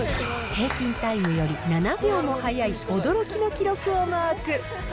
平均タイムより７秒も速い、驚きの記録をマーク。